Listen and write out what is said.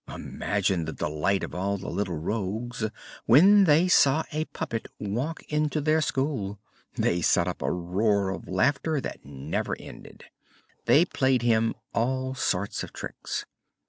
Imagine the delight of all the little rogues, when they saw a puppet walk into their school! They set up a roar of laughter that never ended. They played him all sorts of tricks.